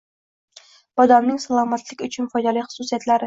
Bodomning salomatlik uchun foydali xususiyatlari